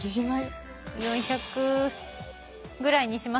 ４００ぐらいにします。